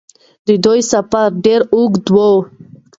د دوی سفر ډېر اوږد و.